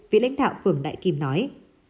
phía lãnh đạo phường đại kim nói